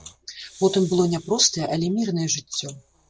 Потым было няпростае, але мірнае жыццё.